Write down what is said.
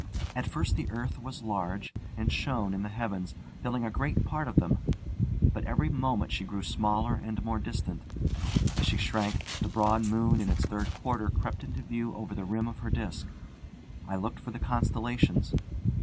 At first the earth was large, and shone in the heavens, filling a great part of them; but every moment she grew smaller and more distant. As she shrank, the broad moon in its third quarter crept into view over the rim of her disc. I looked for the constellations.